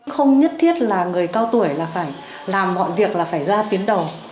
không nhất thiết là người cao tuổi là phải làm mọi việc là phải ra tuyến đầu